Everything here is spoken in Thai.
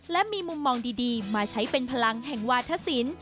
และมีมุมมองดีมาใช้เป็นพลังแห่งวาธศิลป์